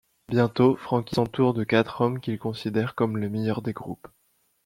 Bientôt Frankie s’entoure de quatre hommes qu'il considère comme le meilleur des groupes.